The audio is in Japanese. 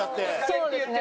そうですね。